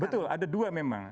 betul ada dua memang